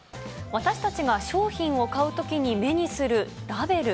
私たちが商品を買うときに目にするラベル。